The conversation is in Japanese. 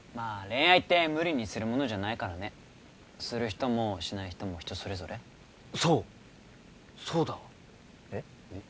恋愛って無理にするものじゃないからねする人もしない人も人それぞれそうそうだわえっ？